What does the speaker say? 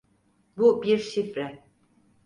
Bu bir şifre.